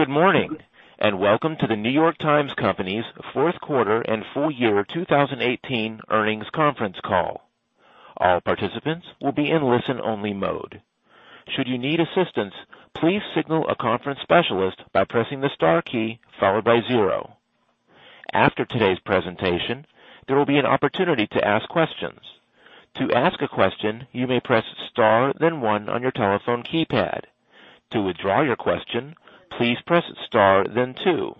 Good morning, and welcome to The New York Times Company's Fourth Quarter and Full Year 2018 Earnings Conference Call. All participants will be in listen only mode. Should you need assistance, please signal a conference specialist by pressing the star key followed by zero. After today's presentation, there will be an opportunity to ask questions. To ask a question, you may press star then one on your telephone keypad. To withdraw your question, please press star then two.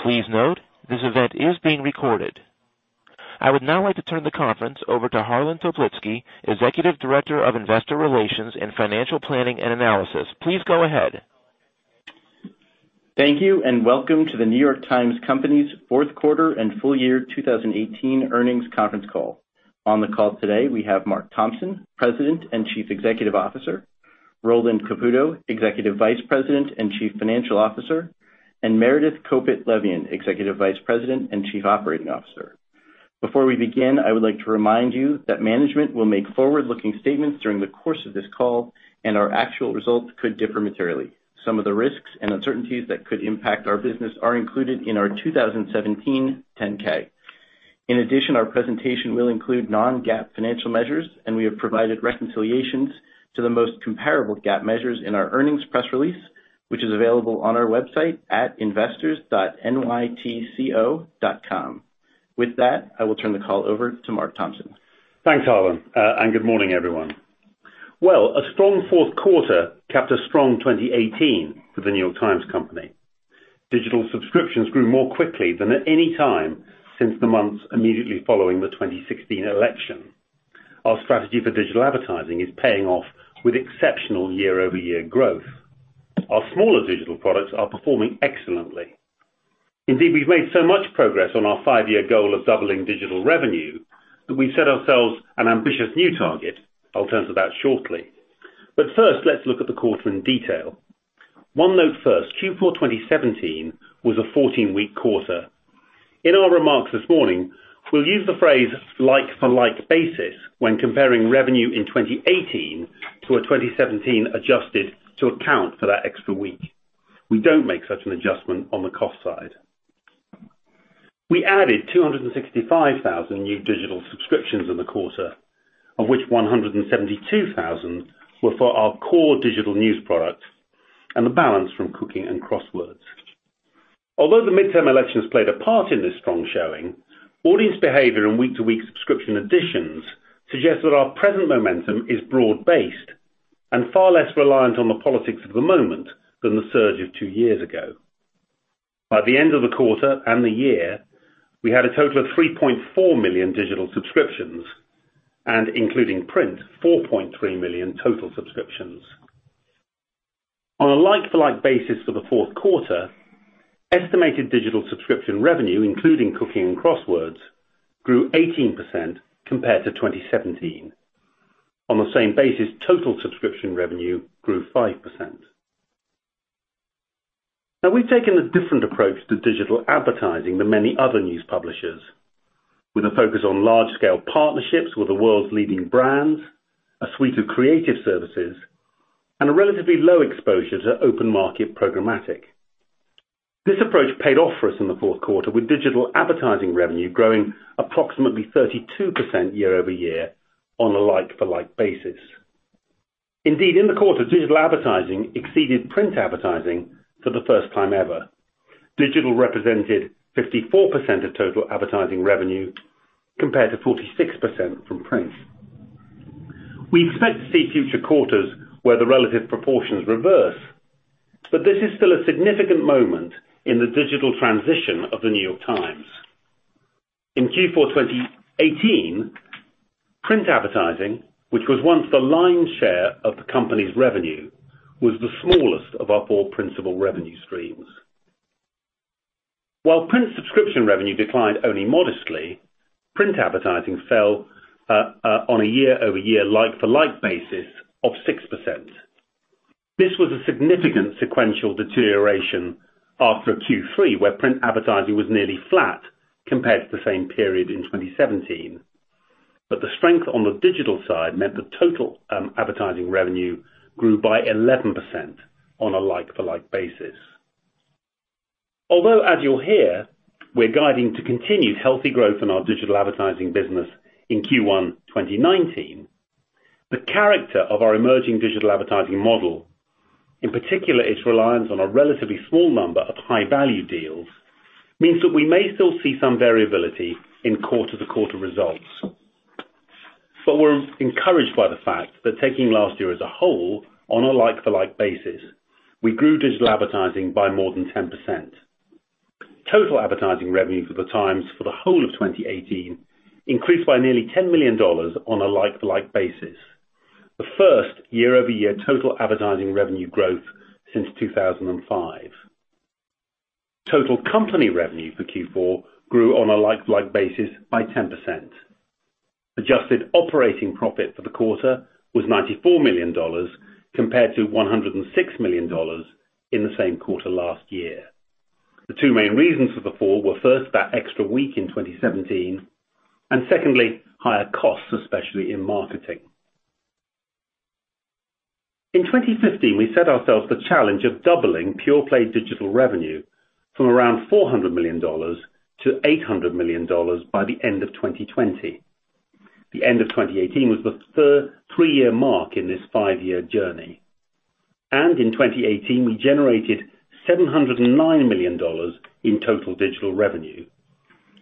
Please note, this event is being recorded. I would now like to turn the conference over to Harlan Toplitzky, Executive Director of Investor Relations and Financial Planning and Analysis. Please go ahead. Thank you, and welcome to The New York Times Company's fourth quarter and full year 2018 earnings conference call. On the call today, we have Mark Thompson, President and Chief Executive Officer, Roland Caputo, Executive Vice President and Chief Financial Officer, and Meredith Kopit Levien, Executive Vice President and Chief Operating Officer. Before we begin, I would like to remind you that management will make forward-looking statements during the course of this call, and our actual results could differ materially. Some of the risks and uncertainties that could impact our business are included in our 2017 10-K. In addition, our presentation will include non-GAAP financial measures, and we have provided reconciliations to the most comparable GAAP measures in our earnings press release, which is available on our website at investors.nytco.com. With that, I will turn the call over to Mark Thompson. Thanks, Harlan, and good morning, everyone. Well, a strong fourth quarter capped a strong 2018 for The New York Times Company. Digital subscriptions grew more quickly than at any time since the months immediately following the 2016 election. Our strategy for digital advertising is paying off with exceptional year-over-year growth. Our smaller digital products are performing excellently. Indeed, we've made so much progress on our five-year goal of doubling digital revenue that we've set ourselves an ambitious new target. I'll turn to that shortly. First, let's look at the quarter in detail. One note first, Q4 2017 was a 14-week quarter. In our remarks this morning, we'll use the phrase like-for-like basis when comparing revenue in 2018 to a 2017 adjusted to account for that extra week. We don't make such an adjustment on the cost side. We added 265,000 new digital subscriptions in the quarter, of which 172,000 were for our core digital news product and the balance from Cooking and Crosswords. Although the midterm elections played a part in this strong showing, audience behavior and week-to-week subscription additions suggest that our present momentum is broad-based and far less reliant on the politics of the moment than the surge of two years ago. By the end of the quarter and the year, we had a total of 3.4 million digital subscriptions, and including print, 4.3 million total subscriptions. On a like-for-like basis for the fourth quarter, estimated digital subscription revenue, including Cooking and Crosswords, grew 18% compared to 2017. On the same basis, total subscription revenue grew 5%. Now we've taken a different approach to digital advertising than many other news publishers, with a focus on large scale partnerships with the world's leading brands, a suite of creative services, and a relatively low exposure to open market programmatic. This approach paid off for us in the fourth quarter with digital advertising revenue growing approximately 32% year-over-year on a like-for-like basis. Indeed, in the quarter, digital advertising exceeded print advertising for the first time ever. Digital represented 54% of total advertising revenue, compared to 46% from print. We expect to see future quarters where the relative proportions reverse, but this is still a significant moment in the digital transition of The New York Times. In Q4 2018, print advertising, which was once the lion's share of the company's revenue, was the smallest of our four principal revenue streams. While print subscription revenue declined only modestly, print advertising fell, on a year-over-year like-for-like basis, of 6%. This was a significant sequential deterioration after Q3, where print advertising was nearly flat compared to the same period in 2017. The strength on the digital side meant that total advertising revenue grew by 11% on a like-for-like basis. Although as you'll hear, we're guiding to continued healthy growth in our digital advertising business in Q1 2019, the character of our emerging digital advertising model, in particular its reliance on a relatively small number of high-value deals, means that we may still see some variability in quarter-to-quarter results. We're encouraged by the fact that taking last year as a whole on a like-for-like basis, we grew digital advertising by more than 10%. Total advertising revenue for The Times for the whole of 2018 increased by nearly $10 million on a like-for-like basis, the first year-over-year total advertising revenue growth since 2005. Total company revenue for Q4 grew on a like-for-like basis by 10%. Adjusted operating profit for the quarter was $94 million compared to $106 million in the same quarter last year. The two main reasons for the fall were first that extra week in 2017, and secondly, higher costs, especially in marketing. In 2015, we set ourselves the challenge of doubling pure play digital revenue from around $400 million to $800 million by the end of 2020. The end of 2018 was the third three-year mark in this five-year journey. In 2018, we generated $709 million in total digital revenue.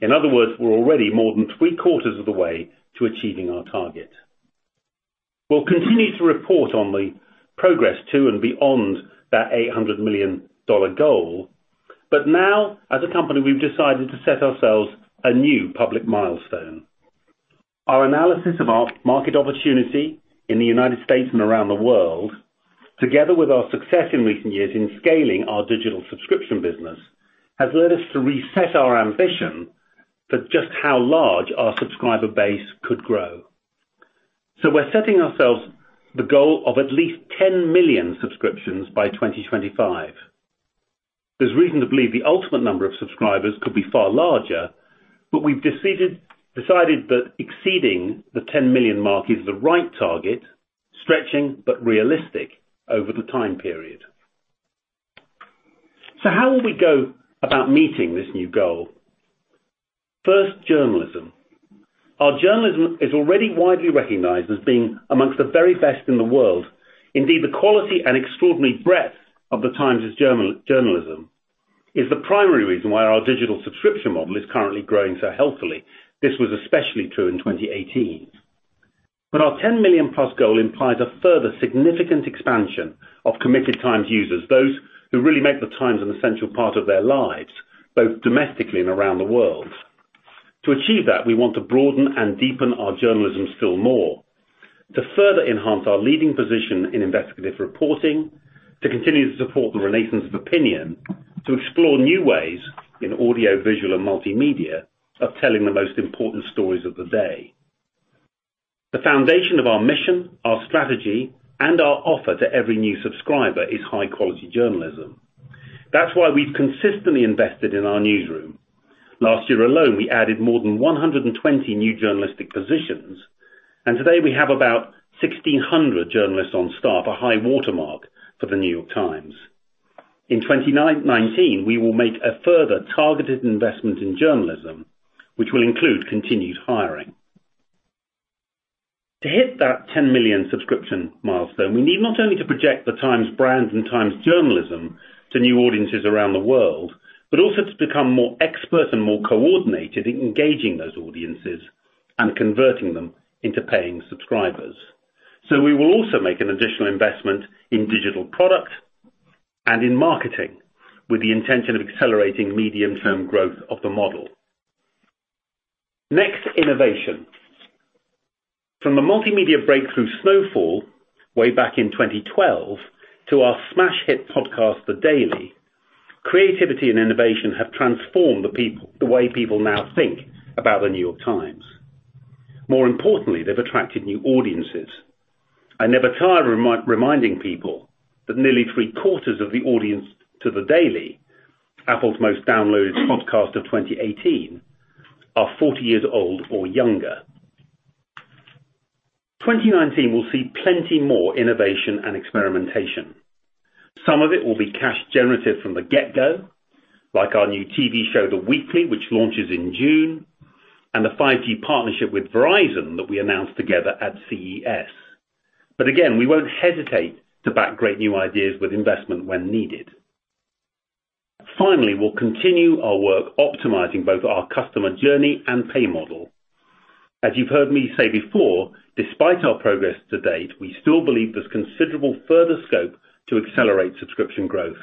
In other words, we're already more than three-quarters of the way to achieving our target. We'll continue to report on the progress to and beyond that $800 million goal. Now, as a company, we've decided to set ourselves a new public milestone. Our analysis of our market opportunity in the United States and around the world, together with our success in recent years in scaling our digital subscription business, has led us to reset our ambition for just how large our subscriber base could grow. We're setting ourselves the goal of at least 10 million subscriptions by 2025. There's reason to believe the ultimate number of subscribers could be far larger, but we've decided that exceeding the 10 million mark is the right target, stretching but realistic over the time period. How will we go about meeting this new goal? First, journalism. Our journalism is already widely recognized as being amongst the very best in the world. Indeed, the quality and extraordinary breadth of The Times' journalism is the primary reason why our digital subscription model is currently growing so healthily. This was especially true in 2018. Our 10+ million goal implies a further significant expansion of committed Times users, those who really make The Times an essential part of their lives, both domestically and around the world. To achieve that, we want to broaden and deepen our journalism still more to further enhance our leading position in investigative reporting, to continue to support the renaissance of opinion, to explore new ways in audio, visual, and multimedia of telling the most important stories of the day. The foundation of our mission, our strategy, and our offer to every new subscriber is high-quality journalism. That's why we've consistently invested in our newsroom. Last year alone, we added more than 120 new journalistic positions, and today we have about 1,600 journalists on staff, a high watermark for The New York Times. In 2019, we will make a further targeted investment in journalism, which will include continued hiring. To hit that 10 million subscription milestone, we need not only to project The Times brand and Times journalism to new audiences around the world, but also to become more expert and more coordinated in engaging those audiences and converting them into paying subscribers. We will also make an additional investment in digital product and in marketing with the intention of accelerating medium-term growth of the model. Next, innovation. From the multimedia breakthrough Snow Fall way back in 2012 to our smash hit podcast, The Daily, creativity and innovation have transformed the way people now think about The New York Times. More importantly, they've attracted new audiences. I never tire reminding people that nearly three-quarters of the audience to The Daily, Apple's most downloaded podcast of 2018, are 40 years old or younger. 2019 will see plenty more innovation and experimentation. Some of it will be cash generative from the get-go, like our new TV show, The Weekly, which launches in June, and the 5G partnership with Verizon that we announced together at CES. We won't hesitate to back great new ideas with investment when needed. Finally, we'll continue our work optimizing both our customer journey and pay model. As you've heard me say before, despite our progress to date, we still believe there's considerable further scope to accelerate subscription growth.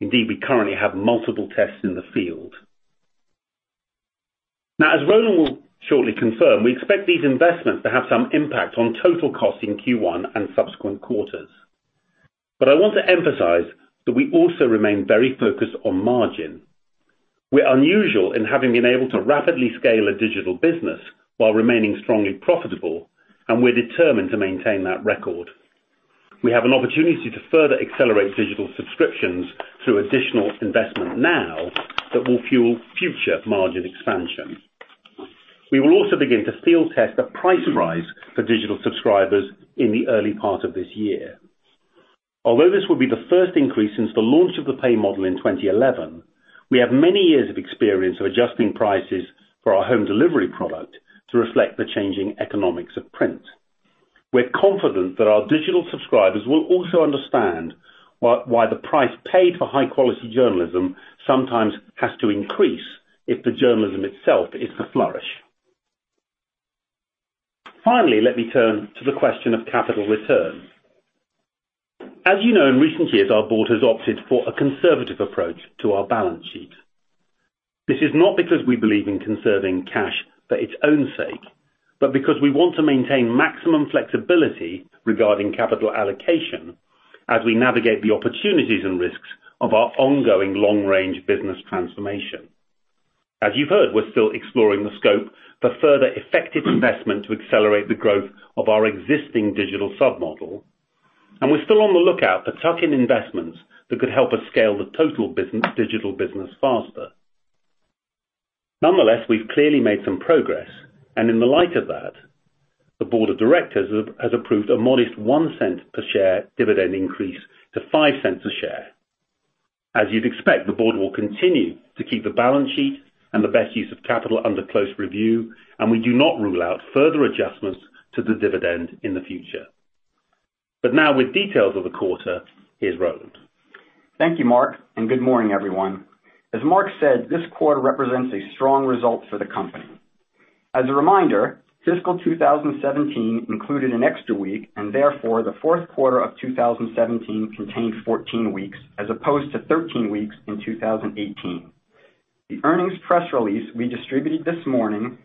Indeed, we currently have multiple tests in the field. Now, as Roland will shortly confirm, we expect these investments to have some impact on total costs in Q1 and subsequent quarters. I want to emphasize that we also remain very focused on margin. We're unusual in having been able to rapidly scale a digital business while remaining strongly profitable, and we're determined to maintain that record. We have an opportunity to further accelerate digital subscriptions through additional investment now that will fuel future margin expansion. We will also begin to field test a price rise for digital subscribers in the early part of this year. Although this will be the first increase since the launch of the pay model in 2011, we have many years of experience of adjusting prices for our home delivery product to reflect the changing economics of print. We're confident that our digital subscribers will also understand why the price paid for high-quality journalism sometimes has to increase if the journalism itself is to flourish. Finally, let me turn to the question of capital return. As you know, in recent years, our board has opted for a conservative approach to our balance sheet. This is not because we believe in conserving cash for its own sake, but because we want to maintain maximum flexibility regarding capital allocation as we navigate the opportunities and risks of our ongoing long-range business transformation. As you've heard, we're still exploring the scope for further effective investment to accelerate the growth of our existing digital sub-model, and we're still on the lookout for tuck-in investments that could help us scale the total digital business faster. Nonetheless, we've clearly made some progress, and in the light of that, the Board of Directors has approved a modest $0.01 per share dividend increase to $0.05 per share. As you'd expect, the Board will continue to keep the balance sheet and the best use of capital under close review, and we do not rule out further adjustments to the dividend in the future. Now with details of the quarter, here's Roland. Thank you, Mark, and good morning, everyone. As Mark said, this quarter represents a strong result for the company. As a reminder, fiscal 2017 included an extra week, and therefore, the fourth quarter of 2017 contained 14 weeks as opposed to 13 weeks in 2018. The earnings press release we distributed this morning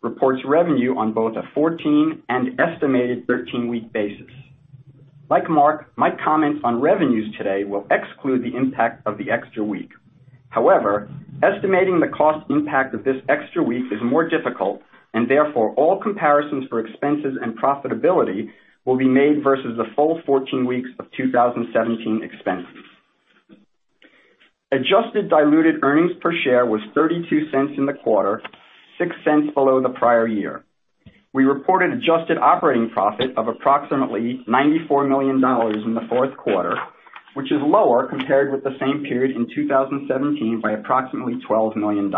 reports revenue on both a 14- and estimated 13-week basis. Like Mark, my comments on revenues today will exclude the impact of the extra week. However, estimating the cost impact of this extra week is more difficult, and therefore, all comparisons for expenses and profitability will be made versus the full 14 weeks of 2017 expenses. Adjusted diluted earnings per share was $0.32 in the quarter, $0.06 below the prior year. We reported adjusted operating profit of approximately $94 million in the fourth quarter, which is lower compared with the same period in 2017 by approximately $12 million.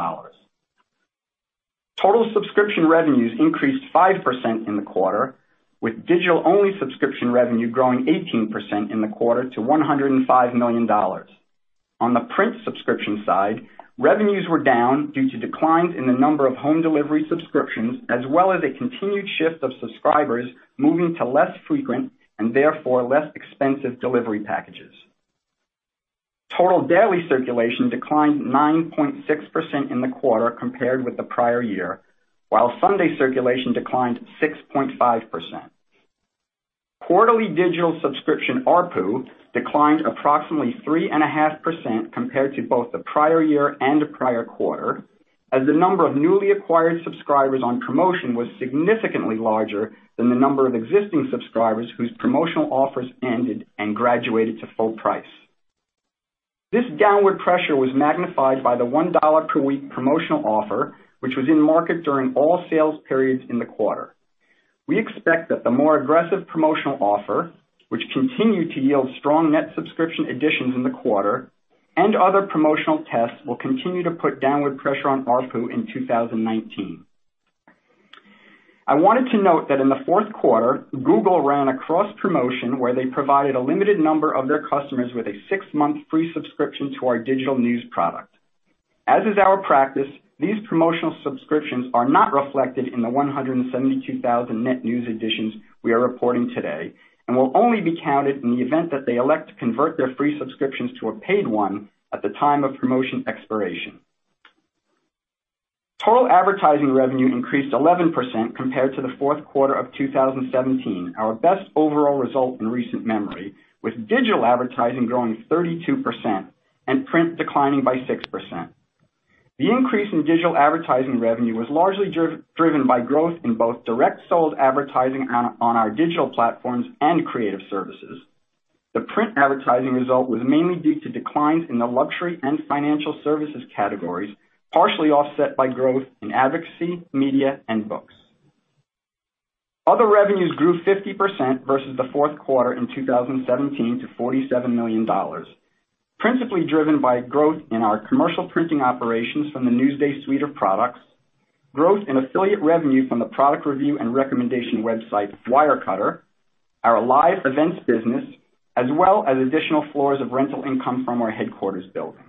Total subscription revenues increased 5% in the quarter, with digital-only subscription revenue growing 18% in the quarter to $105 million. On the print subscription side, revenues were down due to declines in the number of home delivery subscriptions, as well as a continued shift of subscribers moving to less frequent and therefore less expensive delivery packages. Total daily circulation declined 9.6% in the quarter compared with the prior year, while Sunday circulation declined 6.5%. Quarterly digital subscription ARPU declined approximately 3.5% compared to both the prior year and the prior quarter, as the number of newly acquired subscribers on promotion was significantly larger than the number of existing subscribers whose promotional offers ended and graduated to full price. This downward pressure was magnified by the $1 per week promotional offer, which was in market during all sales periods in the quarter. We expect that the more aggressive promotional offer, which continued to yield strong net subscription additions in the quarter, and other promotional tests, will continue to put downward pressure on ARPU in 2019. I wanted to note that in the fourth quarter, Google ran a cross promotion where they provided a limited number of their customers with a six-month free subscription to our digital news product. As is our practice, these promotional subscriptions are not reflected in the 172,000 net news additions we are reporting today and will only be counted in the event that they elect to convert their free subscriptions to a paid one at the time of promotion expiration. Total advertising revenue increased 11% compared to the fourth quarter of 2017, our best overall result in recent memory, with digital advertising growing 32% and print declining by 6%. The increase in digital advertising revenue was largely driven by growth in both direct sold advertising on our digital platforms and creative services. The print advertising result was mainly due to declines in the luxury and financial services categories, partially offset by growth in advocacy, media, and books. Other revenues grew 50% versus the fourth quarter in 2017 to $47 million, principally driven by growth in our commercial printing operations from the Newsday suite of products, growth in affiliate revenue from the product review and recommendation website Wirecutter, our live events business, as well as additional floors of rental income from our headquarters building.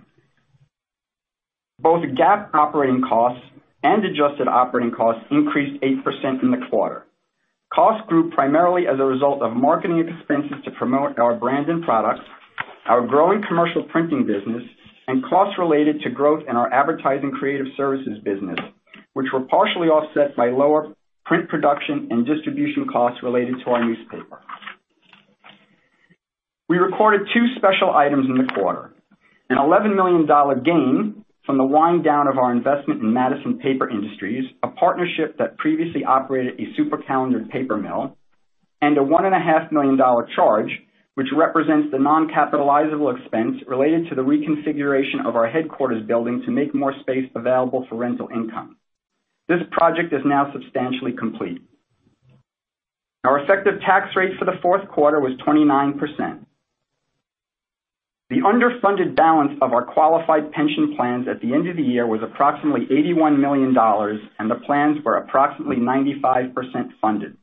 Both GAAP operating costs and adjusted operating costs increased 8% in the quarter. Costs grew primarily as a result of marketing expenses to promote our brands and products, our growing commercial printing business, and costs related to growth in our advertising creative services business, which were partially offset by lower print production and distribution costs related to our newspaper. We recorded two special items in the quarter, an $11 million gain from the wind down of our investment in Madison Paper Industries, a partnership that previously operated a supercalendered paper mill, and a $1.5 million charge, which represents the non-capitalizable expense related to the reconfiguration of our headquarters building to make more space available for rental income. This project is now substantially complete. Our effective tax rate for the fourth quarter was 29%. The underfunded balance of our qualified pension plans at the end of the year was approximately $81 million, and the plans were approximately 95% funded.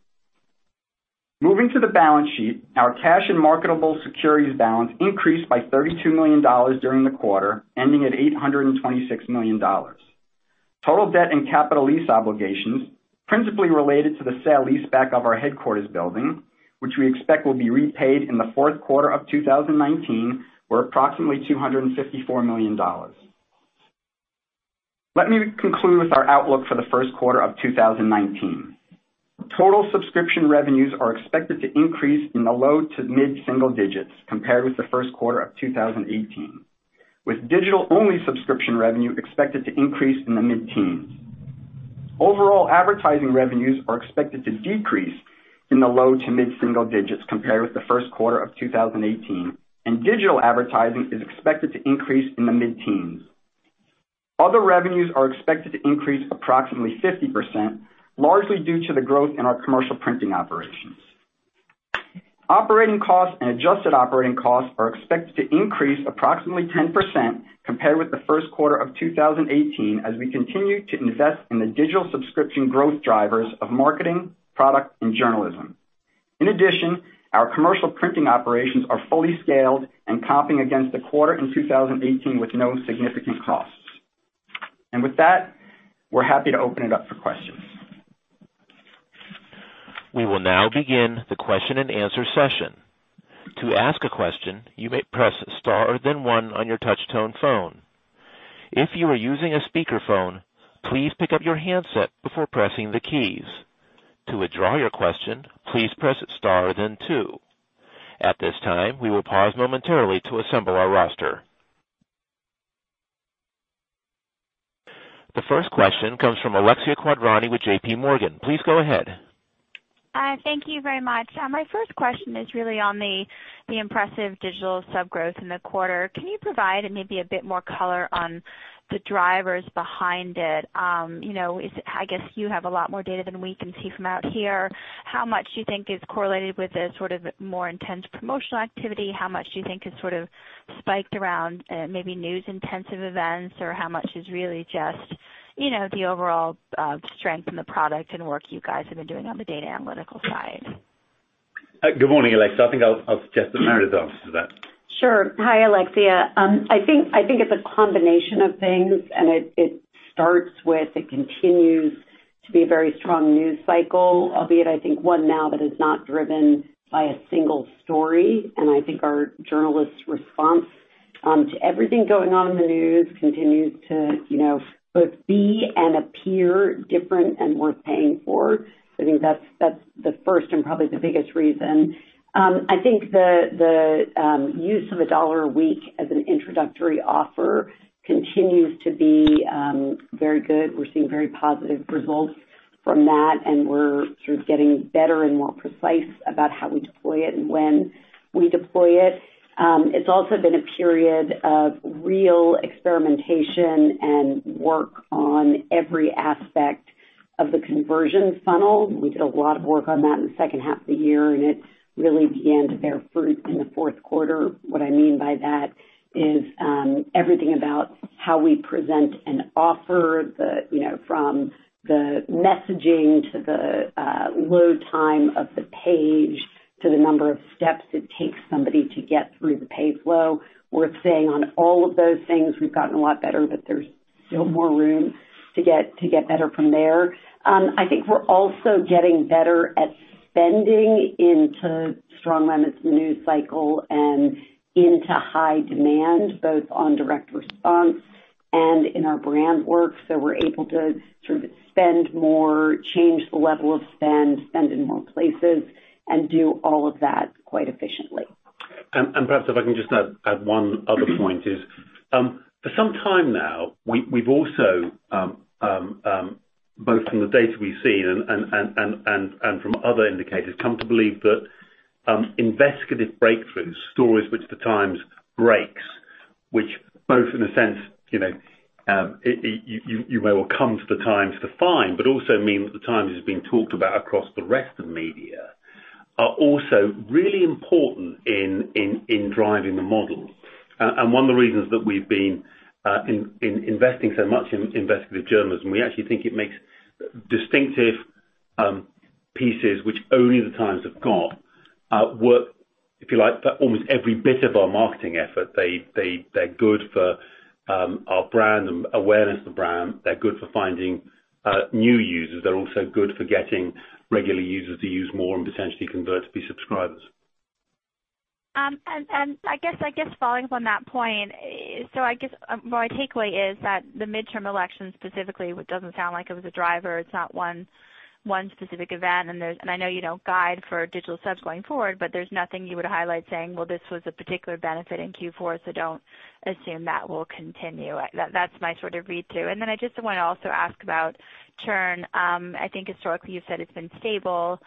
Moving to the balance sheet, our cash and marketable securities balance increased by $32 million during the quarter, ending at $826 million. Total debt and capital lease obligations principally related to the sale-leaseback of our headquarters building, which we expect will be repaid in the fourth quarter of 2019, were approximately $254 million. Let me conclude with our outlook for the first quarter of 2019. Total subscription revenues are expected to increase in the low to mid-single digits compared with the first quarter of 2018, with digital-only subscription revenue expected to increase in the mid-teens. Overall advertising revenues are expected to decrease in the low- to mid-single digits compared with the first quarter of 2018, and digital advertising is expected to increase in the mid-teens. Other revenues are expected to increase approximately 50%, largely due to the growth in our commercial printing operations. Operating costs and adjusted operating costs are expected to increase approximately 10% compared with the first quarter of 2018 as we continue to invest in the digital subscription growth drivers of marketing, product and journalism. In addition, our commercial printing operations are fully scaled and comping against the quarter in 2018 with no significant costs. With that, we're happy to open it up for questions. We will now begin the question and answer session. To ask a question, you may press star then one on your touch-tone phone. If you are using a speakerphone, please pick up your handset before pressing the keys. To withdraw your question, please press star then two. At this time, we will pause momentarily to assemble our roster. The first question comes from Alexia Quadrani with JPMorgan. Please go ahead. Thank you very much. My first question is really on the impressive digital sub growth in the quarter. Can you provide maybe a bit more color on the drivers behind it? I guess you have a lot more data than we can see from out here. How much do you think is correlated with the more intense promotional activity? How much do you think is spiked around maybe news intensive events, or how much is really just the overall strength in the product and work you guys have been doing on the data analytical side? Good morning, Alexia. I think I'll suggest that Meredith answers that. Sure. Hi, Alexia. I think it's a combination of things, and it starts with, it continues to be a very strong news cycle, albeit I think one now that is not driven by a single story. I think our journalists' response to everything going on in the news continues to both be and appear different and worth paying for. I think that's the first and probably the biggest reason. I think the use of $1 a week as an introductory offer continues to be very good. We're seeing very positive results from that, and we're sort of getting better and more precise about how we deploy it and when we deploy it. It's also been a period of real experimentation and work on every aspect of the conversion funnel. We did a lot of work on that in the second half of the year, and it really began to bear fruit in the fourth quarter. What I mean by that is everything about how we present an offer, from the messaging to the load time of the page, to the number of steps it takes somebody to get through the paid flow. Worth saying on all of those things, we've gotten a lot better, but there's still more room to get better from there. I think we're also getting better at spending into strong limits news cycle and into high demand, both on direct response and in our brand work. We're able to sort of spend more, change the level of spend in more places, and do all of that quite efficiently. Perhaps if I can just add one other point is, for some time now, we've also, both from the data we've seen and from other indicators, come to believe that investigative breakthrough stories, which the Times breaks, which both in a sense, you may well come to the Times to find, but also mean that the Times is being talked about across the rest of media, are also really important in driving the model. One of the reasons that we've been investing so much in investigative journalism, we actually think it makes distinctive pieces which only the Times have got, worth, if you like, almost every bit of our marketing effort. They're good for our brand and awareness of the brand. They're good for finding new users. They're also good for getting regular users to use more and potentially convert to be subscribers. I guess following up on that point, so I guess my takeaway is that the midterm election specifically doesn't sound like it was a driver. It's not one specific event. I know you don't guide for digital subs going forward, but there's nothing you would highlight saying, "Well, this was a particular benefit in Q4, so don't assume that will continue." That's my sort of read through. Then I just want to also ask about churn. I think historically you've said it's been stable.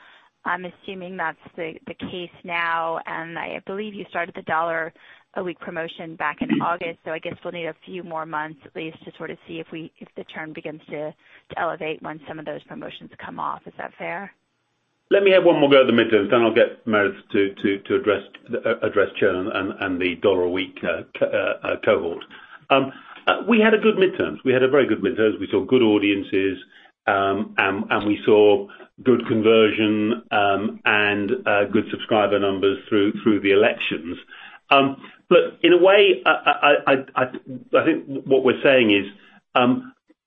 I'm assuming that's the case now, and I believe you started the $1 a week promotion back in August. I guess we'll need a few more months at least to sort of see if the churn begins to elevate once some of those promotions come off. Is that fair? Let me have one more go at the midterms, then I'll get Meredith to address churn and the dollar a week cohort. We had a good midterms. We had a very good midterms. We saw good audiences, and we saw good conversion, and good subscriber numbers through the elections. In a way, I think what we're saying is,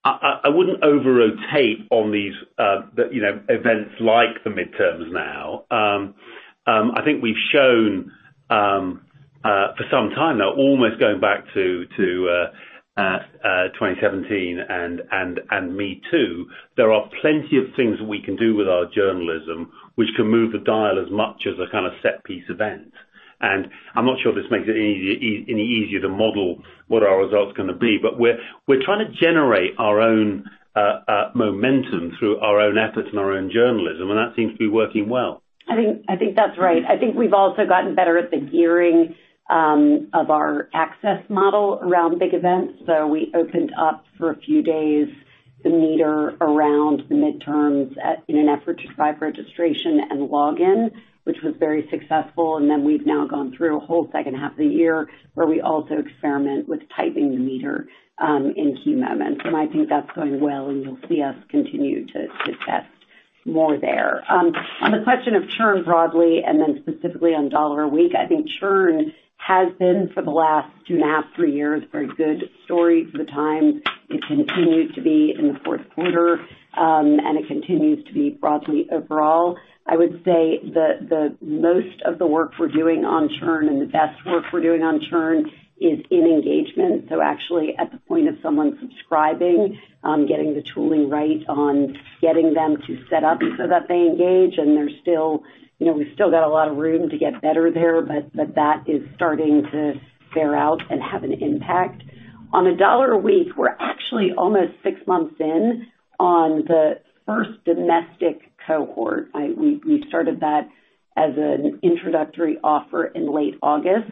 I wouldn't over-rotate on these events like the midterms now. I think we've shown for some time now, almost going back to 2017 and MeToo, there are plenty of things we can do with our journalism which can move the dial as much as a kind of set piece event. I'm not sure if this makes it any easier to model what our results are going to be, but we're trying to generate our own momentum through our own efforts and our own journalism, and that seems to be working well. I think that's right. I think we've also gotten better at the gearing of our access model around big events. We opened up for a few days the meter around the midterms in an effort to drive registration and login, which was very successful, and then we've now gone through a whole second half of the year where we also experiment with tightening the meter in key moments. I think that's going well, and you'll see us continue to test more there. On the question of churn broadly, and then specifically on $1 a week, I think churn has been, for the last two and a half, three years, a very good story for the Times. It continued to be in the fourth quarter, and it continues to be broadly overall. I would say that most of the work we're doing on churn and the best work we're doing on churn is in engagement. Actually, at the point of someone subscribing, getting the tooling right on getting them to set up so that they engage, and we've still got a lot of room to get better there, but that is starting to bear out and have an impact. On $1 a week, we're actually almost six months in on the first domestic cohort. We started that as an introductory offer in late August.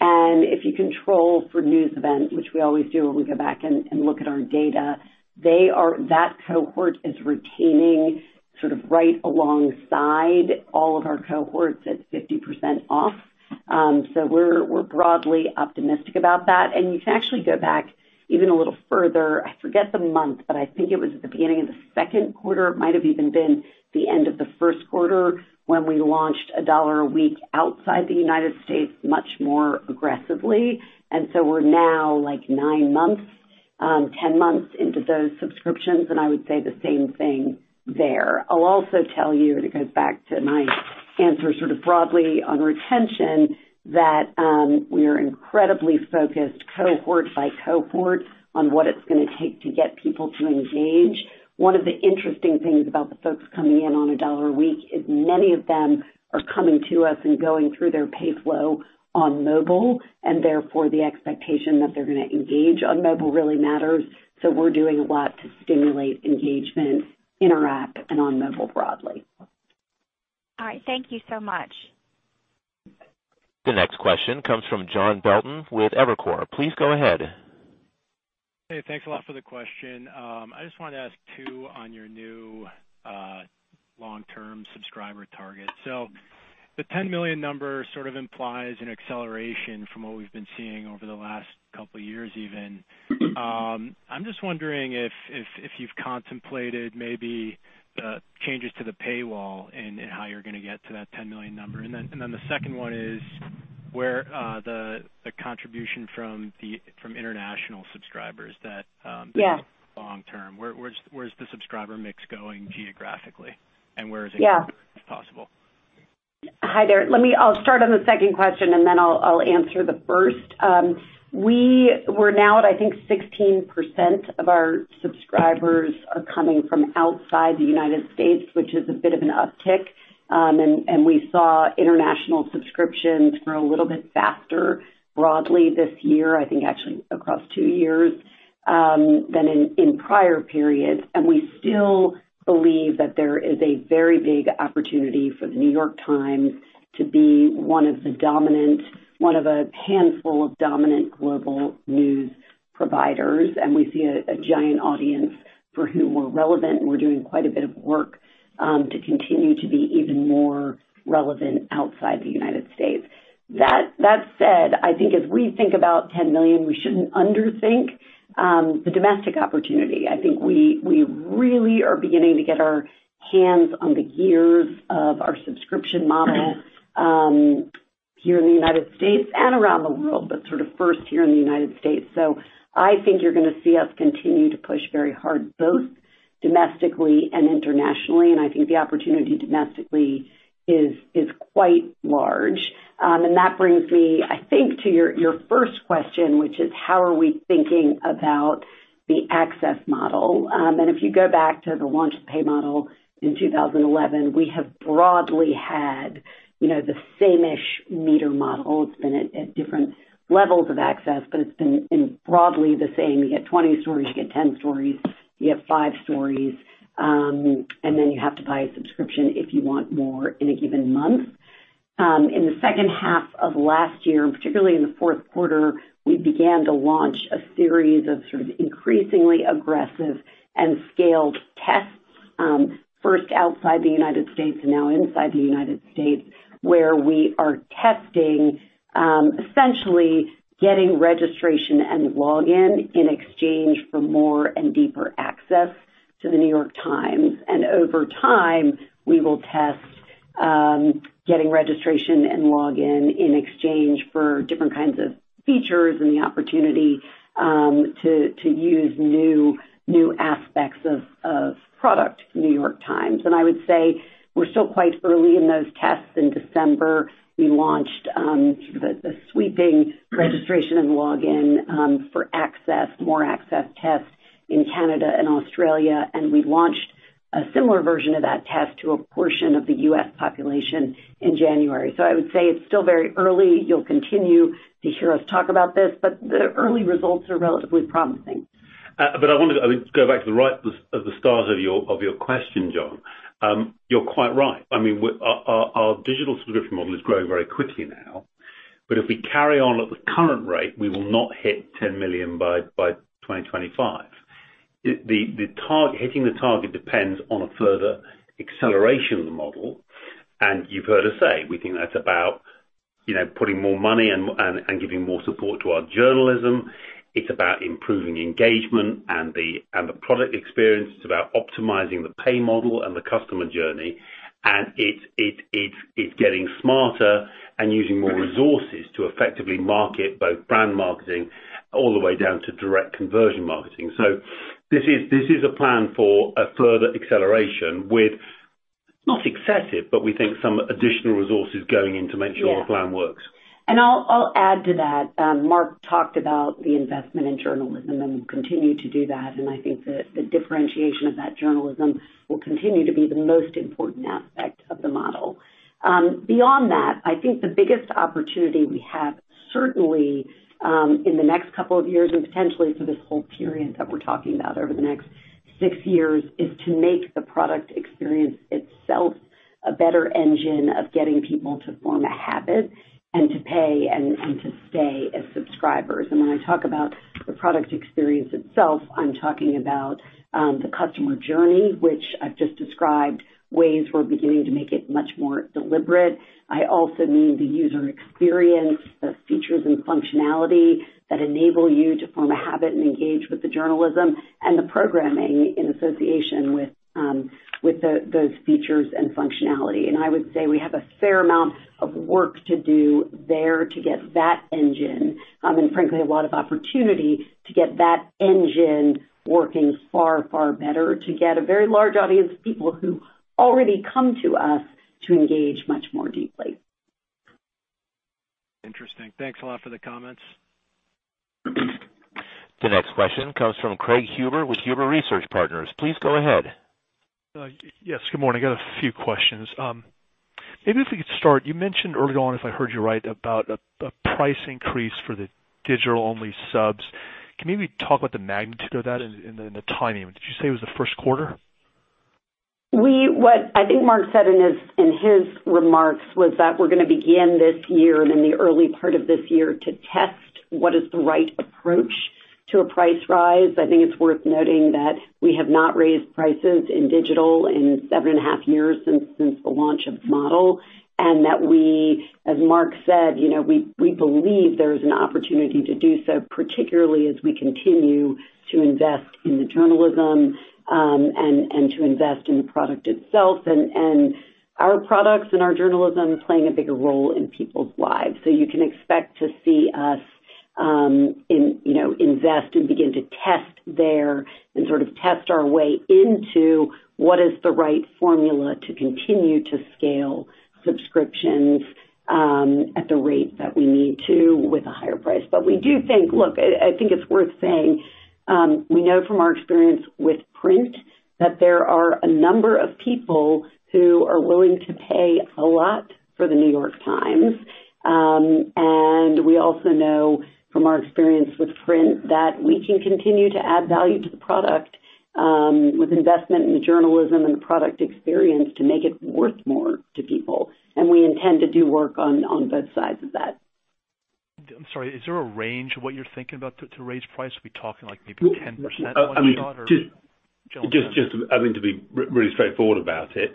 If you control for news events, which we always do when we go back and look at our data, that cohort is retaining sort of right alongside all of our cohorts at 50% off. We're broadly optimistic about that. You can actually go back even a little further. I forget the month, but I think it was at the beginning of the second quarter. It might have even been the end of the first quarter when we launched $1 a week outside the United States, much more aggressively. We're now nine months, 10 months into those subscriptions, and I would say the same thing there. I'll also tell you, and it goes back to my answer sort of broadly on retention, that we are incredibly focused cohort by cohort on what it's going to take to get people to engage. One of the interesting things about the folks coming in on $1 a week is many of them are coming to us and going through their pay flow on mobile, and therefore, the expectation that they're going to engage on mobile really matters. We're doing a lot to stimulate engagement in our app and on mobile broadly. All right. Thank you so much. The next question comes from John Belton with Evercore. Please go ahead. Hey, thanks a lot for the question. I just wanted to ask too, on your new long-term subscriber target. The 10 million number sort of implies an acceleration from what we've been seeing over the last couple of years even. I'm just wondering if you've contemplated maybe the changes to the paywall and how you're going to get to that 10 million number. The second one is where the contribution from international subscribers that- Yeah. Long term. Where's the subscriber mix going geographically and where is it possible? Hi there. I'll start on the second question, and then I'll answer the first. We're now at, I think, 16% of our subscribers are coming from outside the United States, which is a bit of an uptick. We saw international subscriptions grow a little bit faster broadly this year, I think actually across two years, than in prior periods. We still believe that there is a very big opportunity for The New York Times to be one of a handful of dominant global news providers. We see a giant audience for whom we're relevant, and we're doing quite a bit of work to continue to be even more relevant outside the United States. That said, I think as we think about 10 million, we shouldn't under think the domestic opportunity. I think we really are beginning to get our hands on the gears of our subscription model here in the United States and around the world, but sort of first here in the United States. I think you're going to see us continue to push very hard, both domestically and internationally. I think the opportunity domestically is quite large. That brings me, I think, to your first question, which is how are we thinking about the access model? If you go back to the launch of the pay model in 2011, we have broadly had the same-ish meter model. It's been at different levels of access, but it's been broadly the same. You get 20 stories, you get 10 stories, you get five stories, and then you have to buy a subscription if you want more in a given month. In the second half of last year, and particularly in the fourth quarter, we began to launch a series of sort of increasingly aggressive and scaled tests, first outside the United States and now inside the United States, where we are testing, essentially getting registration and login in exchange for more and deeper access to The New York Times. Over time, we will test getting registration and login in exchange for different kinds of features and the opportunity to use new aspects of product from The New York Times. I would say we're still quite early in those tests. In December, we launched the sweeping registration and login for more access tests in Canada and Australia, and we launched a similar version of that test to a portion of the U.S. population in January. I would say it's still very early. You'll continue to hear us talk about this, but the early results are relatively promising. I wanted to go back to the start of your question, John. You're quite right. Our digital subscription model is growing very quickly now. If we carry on at the current rate, we will not hit 10 million by 2025. Hitting the target depends on a further acceleration of the model. You've heard us say, we think that's about putting more money and giving more support to our journalism. It's about improving engagement and the product experience. It's about optimizing the pay model and the customer journey. It's getting smarter and using more resources to effectively market both brand marketing all the way down to direct conversion marketing. This is a plan for a further acceleration with, not excessive, but we think some additional resources going in to make sure our plan works. Yeah. I'll add to that. Mark talked about the investment in journalism, and we'll continue to do that, and I think the differentiation of that journalism will continue to be the most important aspect of the model. Beyond that, I think the biggest opportunity we have, certainly, in the next couple of years and potentially through this whole period that we're talking about over the next six years, is to make the product experience itself a better engine of getting people to form a habit and to pay and to stay as subscribers. When I talk about the product experience itself, I'm talking about the customer journey, which I've just described ways we're beginning to make it much more deliberate. I also mean the user experience, the features and functionality that enable you to form a habit and engage with the journalism and the programming in association with those features and functionality. I would say we have a fair amount of work to do there to get that engine, and frankly, a lot of opportunity to get that engine working far, far better to get a very large audience of people who already come to us to engage much more deeply. Interesting. Thanks a lot for the comments. The next question comes from Craig Huber with Huber Research Partners. Please go ahead. Yes, good morning. I got a few questions. Maybe if we could start, you mentioned early on, if I heard you right, about a price increase for the digital-only subs. Can you maybe talk about the magnitude of that and the timing of it? Did you say it was the first quarter? What I think Mark said in his remarks was that we're going to begin this year and in the early part of this year to test what is the right approach to a price rise. I think it's worth noting that we have not raised prices in digital in seven and a half years since the launch of the model, and that we, as Mark said, we believe there is an opportunity to do so, particularly as we continue to invest in the journalism, and to invest in the product itself and our products and our journalism playing a bigger role in people's lives. You can expect to see us invest and begin to test there and sort of test our way into what is the right formula to continue to scale subscriptions at the rate that we need to with a higher price. We do think, look, I think it's worth saying, we know from our experience with print that there are a number of people who are willing to pay a lot for The New York Times. We also know from our experience with print that we can continue to add value to the product, with investment in the journalism and the product experience to make it worth more to people. We intend to do work on both sides of that. I'm sorry, is there a range of what you're thinking about to raise price? Are we talking like maybe 10% or more? Just to be really straightforward about it,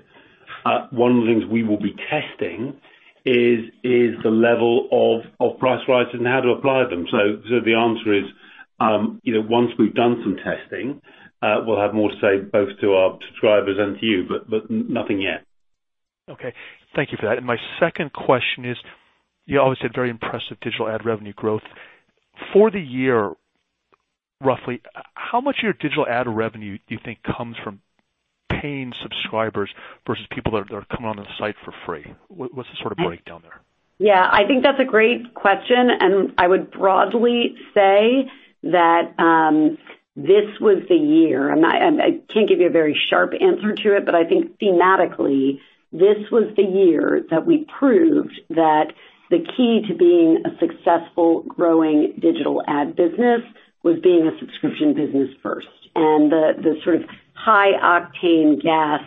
one of the things we will be testing is the level of price rises and how to apply them. The answer is, once we've done some testing, we'll have more to say both to our subscribers and to you, but nothing yet. Okay. Thank you for that. My second question is, you obviously had very impressive digital ad revenue growth. For the year, roughly, how much of your digital ad revenue do you think comes from paying subscribers versus people that are coming on the site for free? What's the sort of breakdown there? Yeah, I think that's a great question, and I would broadly say that this was the year, and I can't give you a very sharp answer to it, but I think thematically, this was the year that we proved that the key to being a successful, growing digital ad business was being a subscription business first. The sort of high octane gas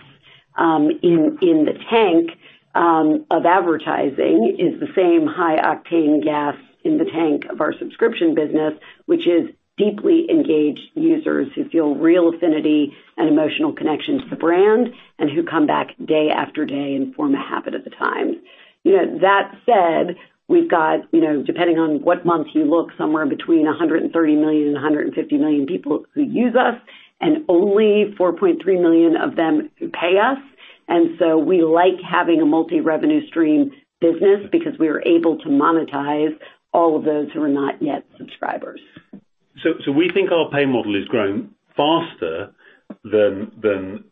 in the tank of advertising is the same high octane gas in the tank of our subscription business, which is deeply engaged users who feel real affinity and emotional connection to the brand and who come back day after day and form a habit of The Times. That said, we've got, depending on what month you look, somewhere between 130 million-150 million people who use us, and only 4.3 million of them pay us. We like having a multi-revenue stream business because we are able to monetize all of those who are not yet subscribers. We think our pay model is growing faster than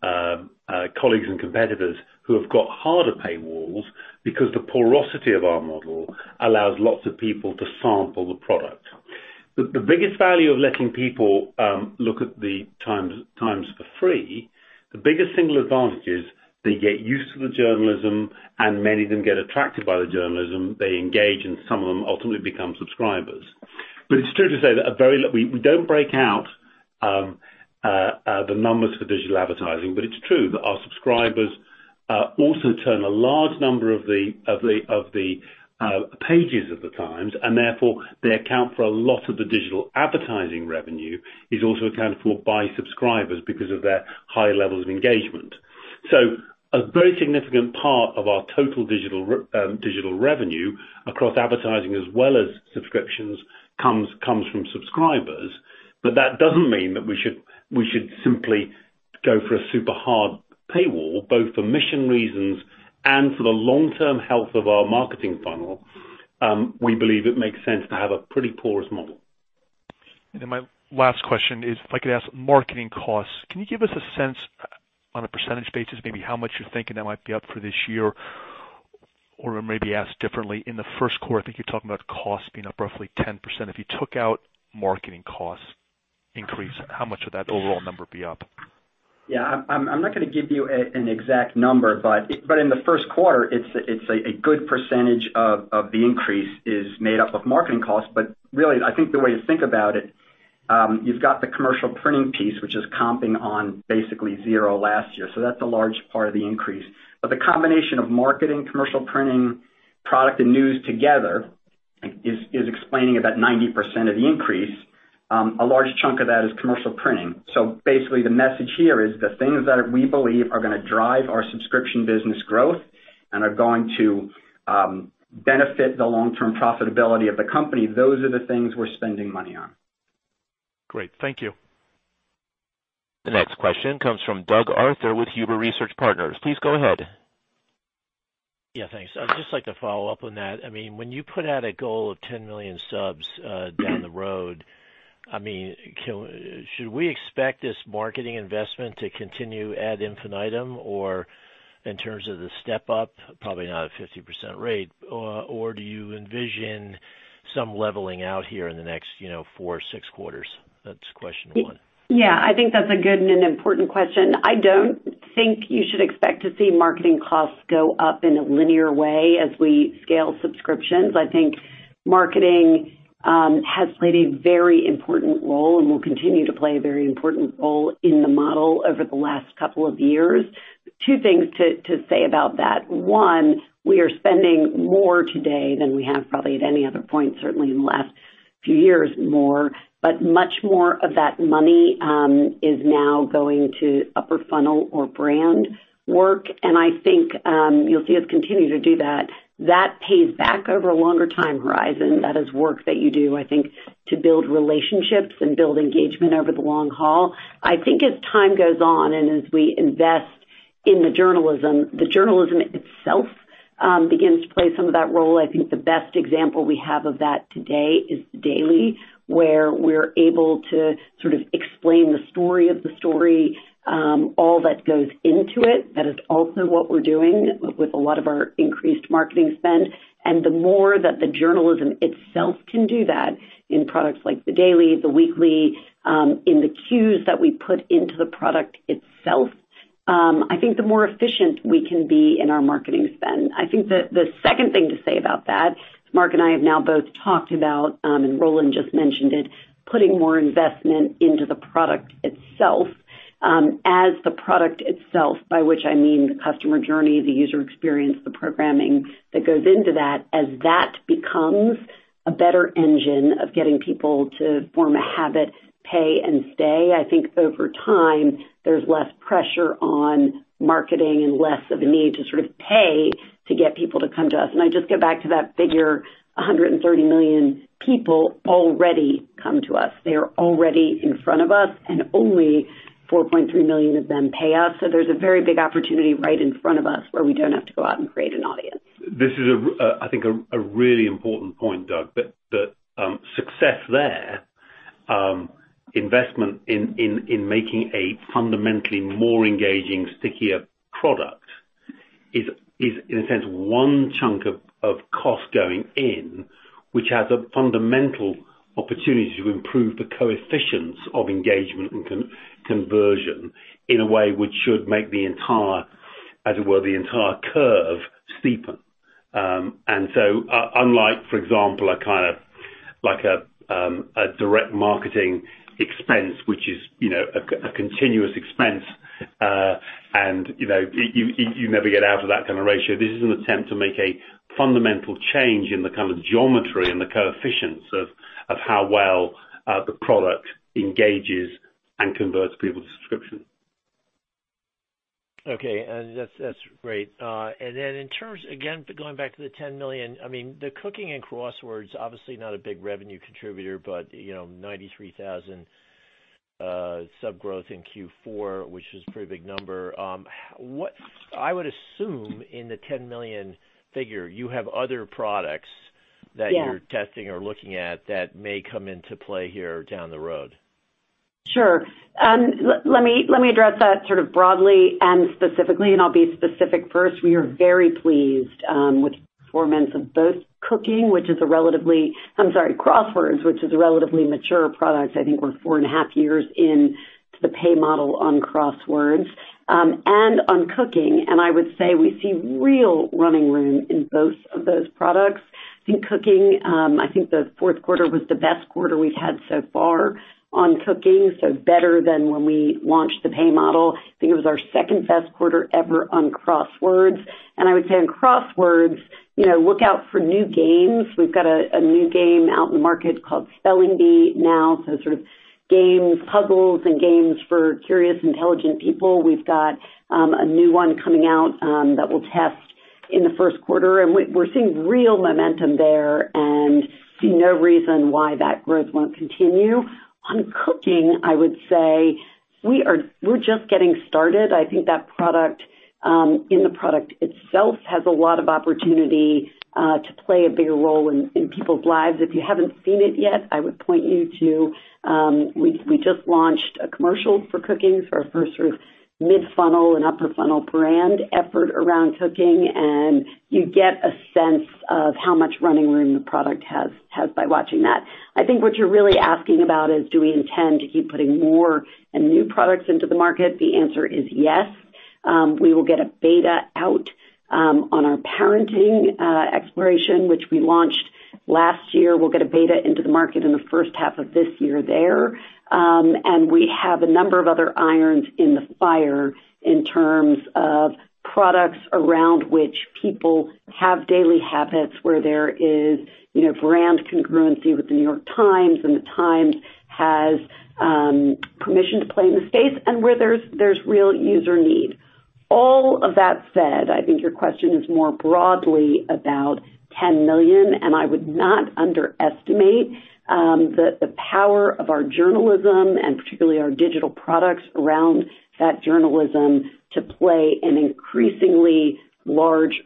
colleagues and competitors who have got harder paywalls because the porosity of our model allows lots of people to sample the product. The biggest value of letting people look at the Times for free, the biggest single advantage is they get used to the journalism, and many of them get attracted by the journalism. They engage, and some of them ultimately become subscribers. We don't break out the numbers for digital advertising, but it's true that our subscribers also turn a large number of the pages of the Times, and therefore they account for a lot of the digital advertising revenue, is also accounted for by subscribers because of their high levels of engagement. A very significant part of our total digital revenue across advertising as well as subscriptions comes from subscribers. That doesn't mean that we should simply go for a super hard paywall, both for mission reasons and for the long-term health of our marketing funnel. We believe it makes sense to have a pretty porous model. My last question is, if I could ask marketing costs. Can you give us a sense on a percentage basis, maybe how much you're thinking that might be up for this year? Or maybe asked differently, in the first quarter, I think you're talking about costs being up roughly 10%. If you took out marketing costs increase, how much would that overall number be up? Yeah, I'm not going to give you an exact number, but in the first quarter, it's a good percentage of the increase is made up of marketing costs. Really, I think the way to think about it, you've got the commercial printing piece, which is comping on basically 0 last year. That's a large part of the increase. The combination of marketing, commercial printing, product and news together is explaining about 90% of the increase. A large chunk of that is commercial printing. Basically, the message here is the things that we believe are going to drive our subscription business growth and are going to benefit the long-term profitability of the company, those are the things we're spending money on. Great. Thank you. The next question comes from Doug Arthur with Huber Research Partners. Please go ahead. Yeah, thanks. I'd just like to follow up on that. When you put out a goal of 10 million subs down the road, should we expect this marketing investment to continue ad infinitum, or in terms of the step up, probably not a 50% rate, or do you envision some leveling out here in the next four or six quarters? That's question one. Yeah, I think that's a good and an important question. I don't think you should expect to see marketing costs go up in a linear way as we scale subscriptions. I think marketing has played a very important role and will continue to play a very important role in the model over the last couple of years. Two things to say about that. One, we are spending more today than we have probably at any other point, certainly in the last few years, more. Much more of that money is now going to upper funnel or brand work. I think, you'll see us continue to do that. That pays back over a longer time horizon. That is work that you do, I think, to build relationships and build engagement over the long haul. I think as time goes on and as we invest in the journalism, the journalism itself begins to play some of that role. I think the best example we have of that today is The Daily, where we're able to sort of explain the story of the story, all that goes into it. That is also what we're doing with a lot of our increased marketing spend. The more that the journalism itself can do that in products like The Daily, The Weekly, in the cues that we put into the product itself, I think the more efficient we can be in our marketing spend. I think the second thing to say about that, Mark and I have now both talked about, and Roland just mentioned it, putting more investment into the product itself. As the product itself, by which I mean the customer journey, the user experience, the programming that goes into that, as that becomes a better engine of getting people to form a habit, pay and stay, I think over time, there's less pressure on marketing and less of a need to sort of pay to get people to come to us. I just go back to that figure, 130 million people already come to us. They are already in front of us, and only 4.3 million of them pay us. There's a very big opportunity right in front of us where we don't have to go out and create an audience. This is, I think, a really important point, Doug. That success there, investment in making a fundamentally more engaging, stickier product is, in a sense, one chunk of cost going in, which has a fundamental opportunity to improve the coefficients of engagement and conversion in a way which should make the entire curve steeper. Unlike, for example, a kind of direct marketing expense, which is a continuous expense, and you never get out of that kind of ratio, this is an attempt to make a fundamental change in the kind of geometry and the coefficients of how well the product engages and converts people to subscription. Okay. That's great. In terms, again, going back to the 10 million, the Cooking and Crosswords, obviously not a big revenue contributor, but 93,000 sub growth in Q4, which is a pretty big number. I would assume in the 10 million figure, you have other products that- Yeah. You're testing or looking at that may come into play here down the road. Sure. Let me address that sort of broadly and specifically, and I'll be specific first. We are very pleased with the performance of both, Cooking which is a relatively, I'm sorry, Crosswords, which is a relatively mature product. I think we're four and a half years into the pay model on Crosswords, and on Cooking, and I would say we see real running room in both of those products. In Cooking, I think the fourth quarter was the best quarter we've had so far on Cooking, so better than when we launched the pay model. I think it was our second-best quarter ever on Crosswords. I would say on Crosswords, look out for new games. We've got a new game out in the market called Spelling Bee now, so sort of games, puzzles and games for curious, intelligent people. We've got a new one coming out that we'll test in the first quarter, and we're seeing real momentum there and see no reason why that growth won't continue. On Cooking, I would say we're just getting started. I think that product, in the product itself, has a lot of opportunity to play a bigger role in people's lives. If you haven't seen it yet, I would point you to. We just launched a commercial for Cooking for our first sort of mid-funnel and upper-funnel brand effort around Cooking, and you get a sense of how much running room the product has by watching that. I think what you're really asking about is do we intend to keep putting more and new products into the market? The answer is yes. We will get a beta out on our parenting exploration, which we launched last year. We'll get a beta into the market in the first half of this year there. We have a number of other irons in the fire in terms of products around which people have daily habits, where there is brand congruency with The New York Times, and The Times has permission to play in the space, and where there's real user need. All of that said, I think your question is more broadly about 10 million, and I would not underestimate the power of our journalism and particularly our digital products around that journalism to play an increasingly large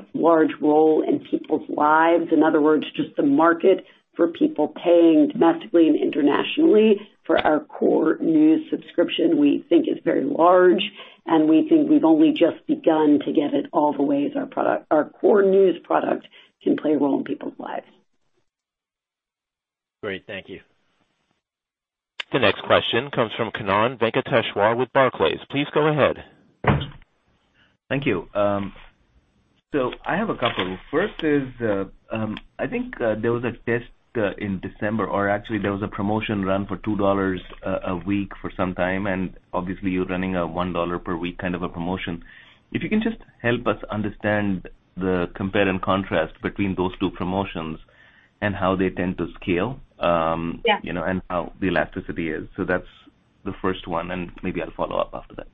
role in people's lives. In other words, just the market for people paying domestically and internationally for our core news subscription, we think is very large, and we think we've only just begun to get at all the ways our core news product can play a role in people's lives. Great. Thank you. The next question comes from Kannan Venkateshwar with Barclays. Please go ahead. Thank you. I have a couple. First is, I think there was a test in December, or actually there was a promotion run for $2 a week for some time, and obviously you're running a $1 per week kind of a promotion. If you can just help us understand the compare and contrast between those two promotions and how they tend to scale? Yeah. How the elasticity is. That's the first one, and maybe I'll follow up after that.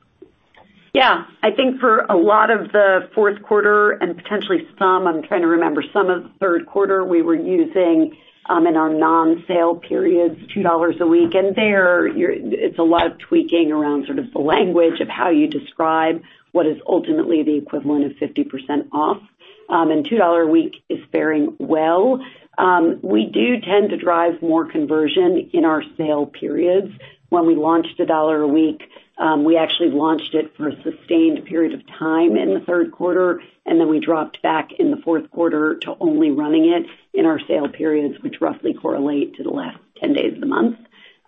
Yeah. I think for a lot of the fourth quarter and potentially some, I'm trying to remember, some of the third quarter, we were using in our non-sale periods, $2 a week, and there it's a lot of tweaking around sort of the language of how you describe what is ultimately the equivalent of 50% off, and $2 a week is faring well. We do tend to drive more conversion in our sale periods. When we launched $1 a week, we actually launched it for a sustained period of time in the third quarter, and then we dropped back in the fourth quarter to only running it in our sale periods, which roughly correlate to the last 10 days of the month.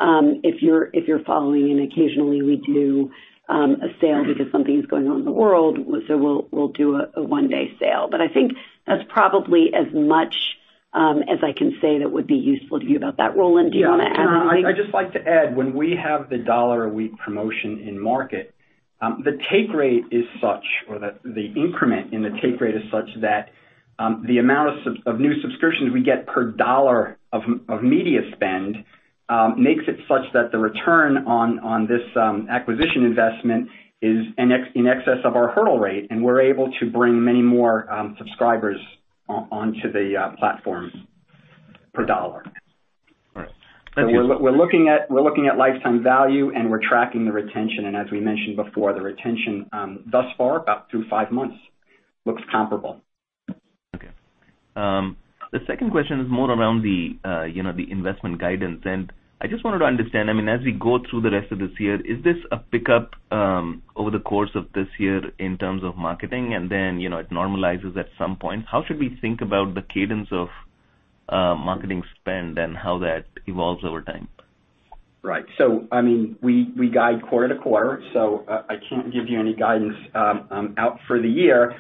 If you're following, and occasionally we do a sale because something's going on in the world, so we'll do a one-day sale. I think that's probably as much as I can say that would be useful to you about that. Roland, do you want to add anything? Yeah. I'd just like to add, when we have the $1 a week promotion in market, the take rate is such, or the increment in the take rate is such that the amount of new subscriptions we get per $1 of media spend makes it such that the return on this acquisition investment is in excess of our hurdle rate, and we're able to bring many more subscribers onto the platforms per $1. All right. Thank you. We're looking at lifetime value, and we're tracking the retention, and as we mentioned before, the retention thus far, about through five months, looks comparable. Okay. The second question is more around the investment guidance, and I just wanted to understand, as we go through the rest of this year, is this a pickup over the course of this year in terms of marketing and then it normalizes at some point? How should we think about the cadence of marketing spend and how that evolves over time? Right. We guide quarter to quarter, so I can't give you any guidance out for the year.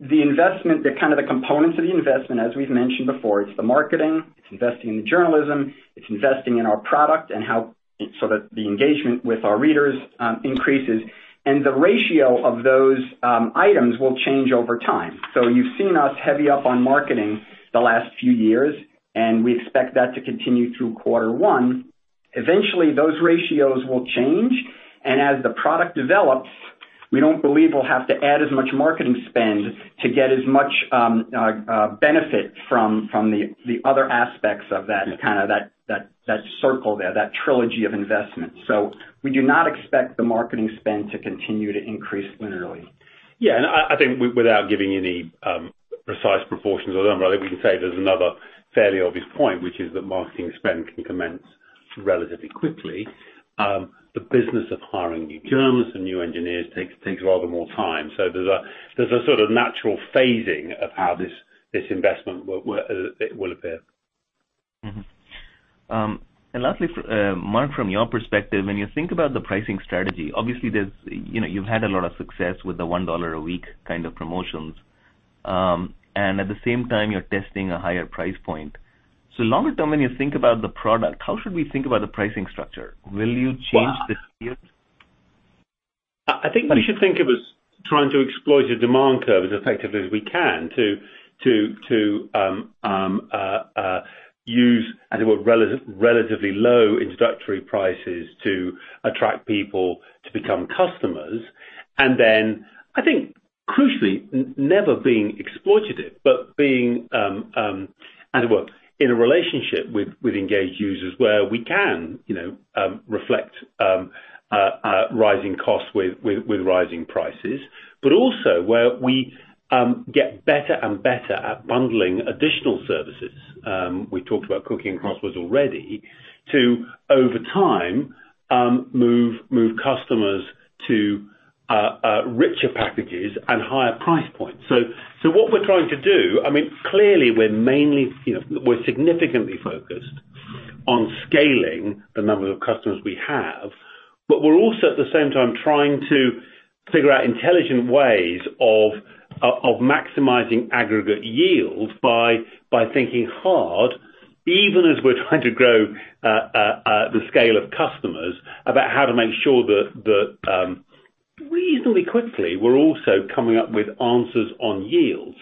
The investment, the kind of the components of the investment, as we've mentioned before, it's the marketing, it's investing in the journalism, it's investing in our product and how so that the engagement with our readers increases, and the ratio of those items will change over time. You've seen us heavy up on marketing the last few years, and we expect that to continue through quarter one. Eventually, those ratios will change, and as the product develops, we don't believe we'll have to add as much marketing spend to get as much benefit from the other aspects of that circle there, that trilogy of investment. We do not expect the marketing spend to continue to increase linearly. Yeah, I think without giving any precise proportions of them. I think we can say there's another fairly obvious point, which is that marketing spend can commence relatively quickly. The business of hiring new journalists and new engineers takes rather more time. There's a sort of natural phasing of how this investment will appear. Lastly, Mark, from your perspective, when you think about the pricing strategy, obviously you've had a lot of success with the $1 a week kind of promotions. At the same time, you're testing a higher price point. Longer term, when you think about the product, how should we think about the pricing structure? Will you change this year? I think we should think of it as trying to exploit the demand curves as effectively as we can to use, as it were, relatively low introductory prices to attract people to become customers. I think crucially, never being exploitative, but being in a relationship with engaged users where we can reflect rising costs with rising prices. Also where we get better and better at bundling additional services. We talked about Cooking and Crosswords already to, over time, move customers to richer packages and higher price points. What we're trying to do, clearly we're significantly focused on scaling the number of customers we have. We're also, at the same time, trying to figure out intelligent ways of maximizing aggregate yield by thinking hard, even as we're trying to grow the scale of customers, about how to make sure that reasonably quickly, we're also coming up with answers on yield.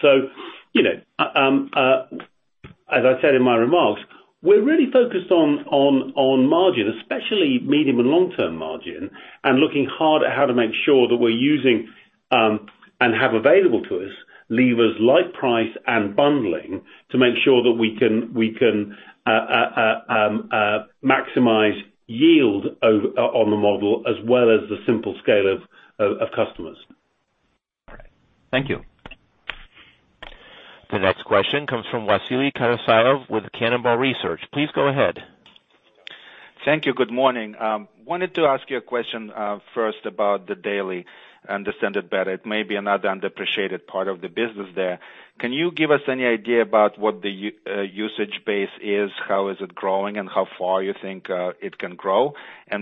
As I said in my remarks, we're really focused on margin, especially medium and long-term margin, and looking hard at how to make sure that we're using, and have available to us, levers like price and bundling to make sure that we can maximize yield on the model as well as the simple scale of customers. Thank you. The next question comes from Vasily Karasyov with Cannonball Research. Please go ahead. Thank you. Good morning. I wanted to ask you a question first about The Daily, understand it better. It may be another underappreciated part of the business there. Can you give us any idea about what the usage base is, how is it growing, and how far you think it can grow? What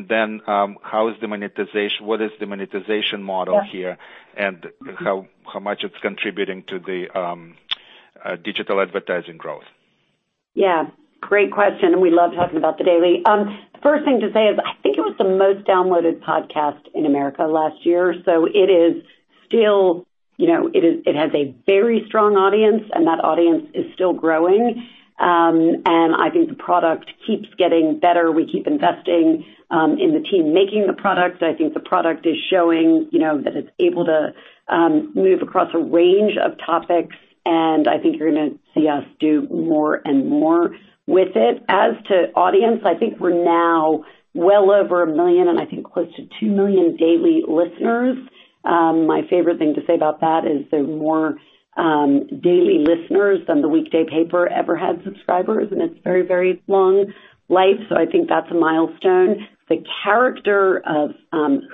is the monetization model here, and how much it's contributing to the digital advertising growth? Yeah. Great question, and we love talking about The Daily. The first thing to say is I think it was the most downloaded podcast in America last year. It has a very strong audience, and that audience is still growing. I think the product keeps getting better. We keep investing in the team making the product. I think the product is showing that it's able to move across a range of topics, and I think you're going to see us do more and more with it. As to audience, I think we're now well over 1 million and I think close to 2 million daily listeners. My favorite thing to say about that is there's more daily listeners than the weekday paper ever had subscribers in its very, very long life. I think that's a milestone. The character of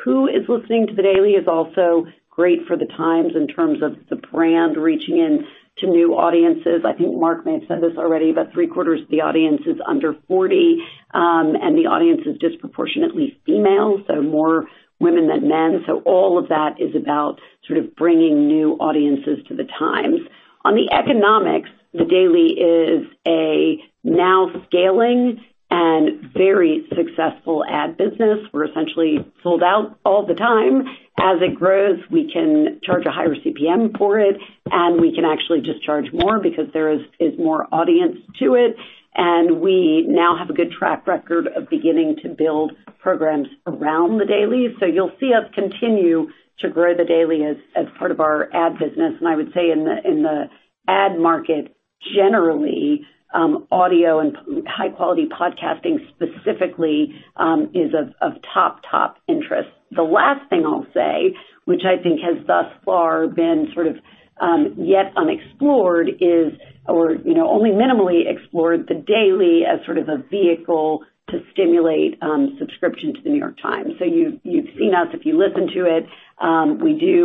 who is listening to The Daily is also great for The Times in terms of the brand reaching in to new audiences. I think Mark may have said this already, but three-quarters of the audience is under 40, and the audience is disproportionately female, so more women than men. All of that is about sort of bringing new audiences to The Times. On the economics, The Daily is a now scaling and very successful ad business. We're essentially sold out all the time. As it grows, we can charge a higher CPM for it, and we can actually just charge more because there is more audience to it, and we now have a good track record of beginning to build programs around The Daily. You'll see us continue to grow The Daily as part of our ad business. I would say in the ad market generally, audio and high-quality podcasting specifically, is of top interest. The last thing I'll say, which I think has thus far been sort of yet unexplored is, or only minimally explored The Daily as sort of a vehicle to stimulate subscription to The New York Times. You've seen us, if you listen to it,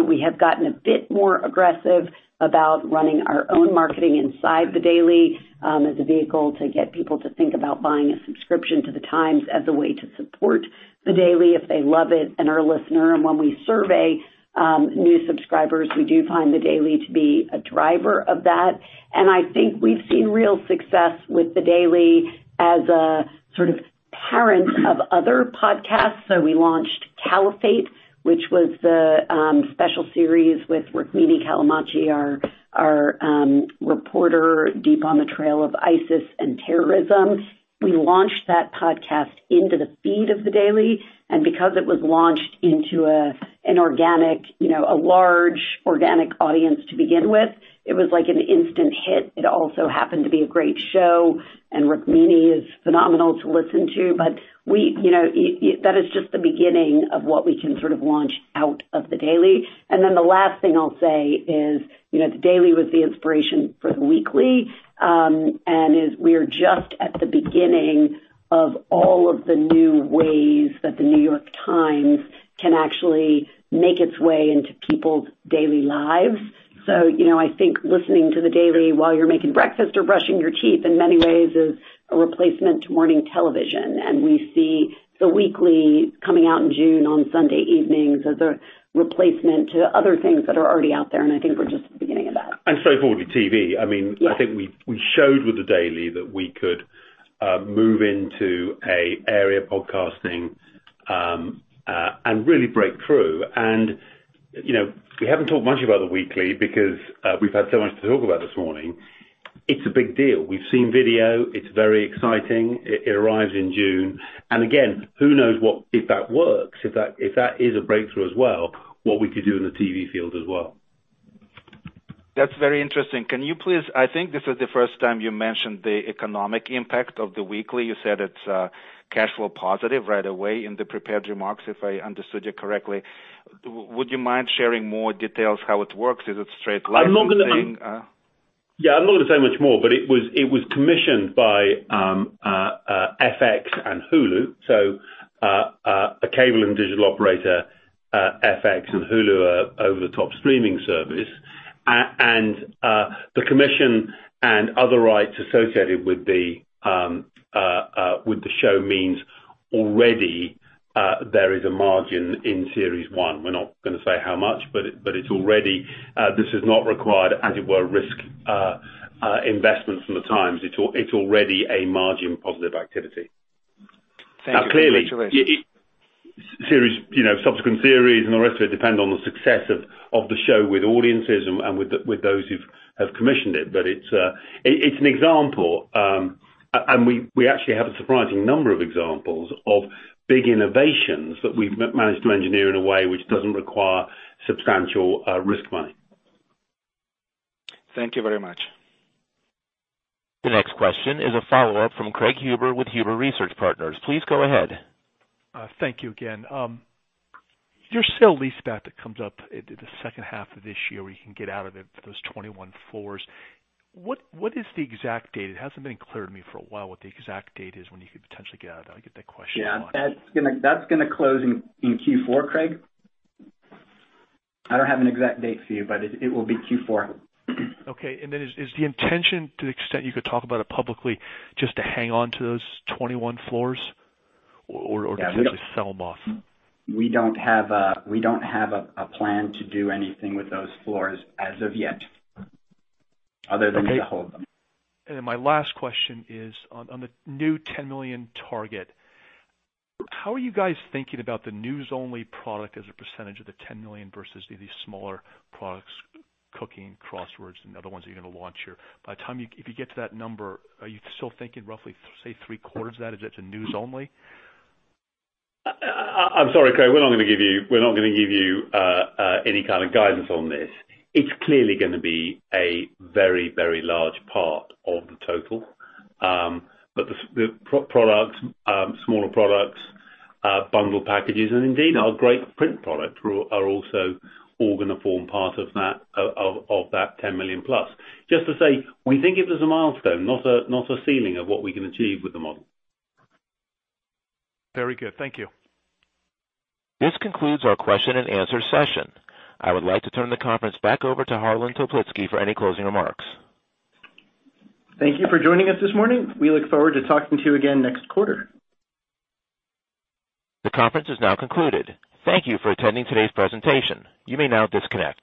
we have gotten a bit more aggressive about running our own marketing inside The Daily, as a vehicle to get people to think about buying a subscription to The Times as a way to support The Daily if they love it and are a listener. When we survey new subscribers, we do find The Daily to be a driver of that. I think we've seen real success with The Daily as a sort of parent of other podcasts. We launched Caliphate, which was the special series with Rukmini Callimachi, our reporter deep on the trail of ISIS and terrorism. We launched that podcast into the feed of The Daily, and because it was launched into a large organic audience to begin with, it was like an instant hit. It also happened to be a great show, and Rukmini is phenomenal to listen to. That is just the beginning of what we can sort of launch out of The Daily. Then the last thing I'll say is The Daily was the inspiration for The Weekly. We are just at the beginning of all of the new ways that The New York Times can actually make its way into people's daily lives. I think listening to the Daily while you're making breakfast or brushing your teeth, in many ways, is a replacement to morning television. We see The Weekly coming out in June on Sunday evenings as a replacement to other things that are already out there, and I think we're just at the beginning of that. I'm sorry for the TV. Yeah. I think we showed with The Daily that we could move into an area of podcasting, and really breakthrough. We haven't talked much about The Weekly because we've had so much to talk about this morning. It's a big deal. We've seen video. It's very exciting. It arrives in June. Again, who knows what, if that works, if that is a breakthrough as well, what we could do in the TV field as well. That's very interesting. I think this is the first time you mentioned the economic impact of the Weekly. You said it's cash flow positive right away in the prepared remarks, if I understood you correctly. Would you mind sharing more details how it works? Is it straight licensing? Yeah, I'm not going to say much more, but it was commissioned by FX and Hulu, so a cable and digital operator, FX, and Hulu, an over-the-top streaming service. The commission and other rights associated with the show means already there is a margin in series one. We're not gonna say how much, but it's already. This has not required, as it were, risk investments from The Times. It's already a margin positive activity. Thank you. Now, clearly, subsequent series and the rest of it depend on the success of the show with audiences and with those who've commissioned it. It's an example, and we actually have a surprising number of examples of big innovations that we've managed to engineer in a way which doesn't require substantial risk money. Thank you very much. The next question is a follow-up from Craig Huber with Huber Research Partners. Please go ahead. Thank you again. Your sale-leaseback that comes up in the second half of this year where you can get out of it for those 21 floors. What is the exact date? It hasn't been clear to me for a while what the exact date is when you could potentially get out. I get that question a lot. Yeah, that's gonna close in Q4, Craig. I don't have an exact date for you, but it will be Q4. Okay. Is the intention, to the extent you could talk about it publicly, just to hang on to those 21 floors or- Yeah. To sell them off? We don't have a plan to do anything with those floors as of yet, other than to hold them. My last question is on the new 10 million target. How are you guys thinking about the news-only product as a percentage of the 10 million versus these smaller products, Cooking, Crossword, and the other ones that you're going to launch here? By the time you, if you get to that number, are you still thinking roughly, say, three-quarters of that is news only? I'm sorry, Craig. We're not gonna give you any kind of guidance on this. It's clearly gonna be a very large part of the total. The product, smaller products, bundle packages, and indeed our great print product are also all gonna form part of that 10+ million. Just to say, we think of it as a milestone, not a ceiling of what we can achieve with the model. Very good. Thank you. This concludes our question and answer session. I would like to turn the conference back over to Harlan Toplitzky for any closing remarks. Thank you for joining us this morning. We look forward to talking to you again next quarter. The conference is now concluded. Thank you for attending today's presentation. You may now disconnect.